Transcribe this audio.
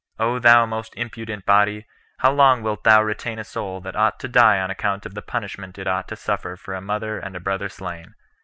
O thou most impudent body! how long wilt thou retain a soul that ought to die on account of that punishment it ought to suffer for a mother and a brother slain!